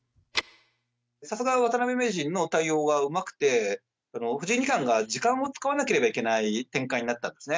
さすが渡辺名人の対応がうまくて、藤井二冠が時間を使わなければいけない展開になったんですね。